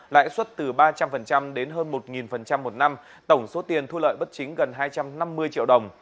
lãi suất từ ba trăm linh đến hơn một một năm tổng số tiền thu lợi bất chính gần hai trăm năm mươi triệu đồng